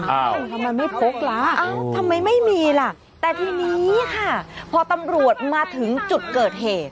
ทำไมไม่พกละทำไมไม่มีล่ะแต่ทีนี้ค่ะพอตำรวจมาถึงจุดเกิดเหตุ